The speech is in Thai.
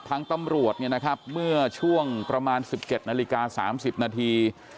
ทางตำรวจเนี่ยนะครับเมื่อช่วงประมาณ๑๗นาฬิกา๓๐นาที